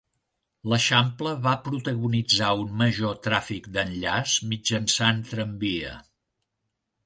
L'eixample va protagonitzar un major tràfic d'enllaç mitjançant tramvia.